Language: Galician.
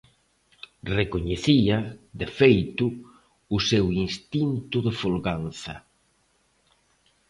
Recoñecía, de feito, o seu instinto de folganza.